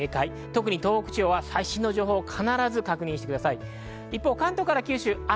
特に東北地方は最新の情報を必ず確認してください。